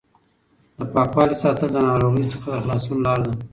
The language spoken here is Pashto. د پاکوالي ساتل د ناروغۍ څخه د خلاصون لار ده.